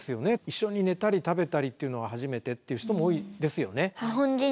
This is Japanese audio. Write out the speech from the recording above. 一緒に寝たり食べたりっていうのは初めてっていう人も多いですよね。